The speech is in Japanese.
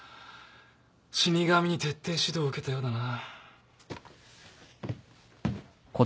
死神に徹底指導受けたようだな。